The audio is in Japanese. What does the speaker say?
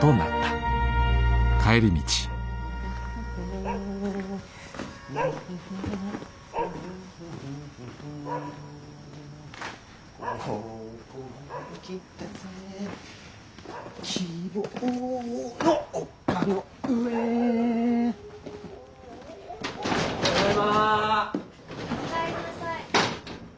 ・お帰りなさい。